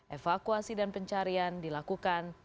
evakuasi dan pencarian dilakukan